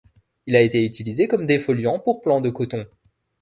Il a été utilisé comme défoliant pour plants de coton.